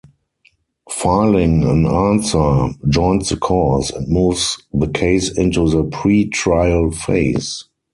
Filing an answer "joins the cause" and moves the case into the pre-trial phase.